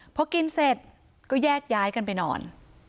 พอกินเสร็จก็แยกย้ายกันไปนอน